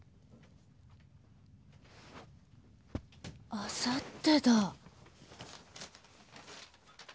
あさってだ。